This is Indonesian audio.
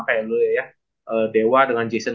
kayak lo ya dewa dengan jason